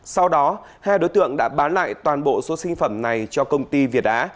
sau đó hai đối tượng đã bán lại toàn bộ số sinh phẩm này cho công ty việt á